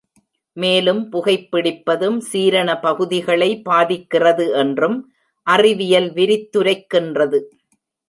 மேலும் புகைபிடிப்பதும், சீரண பகுதிகளை பாதிக்கிறது என்றும் அறிவியல் விரித்துரைக்கின்றது.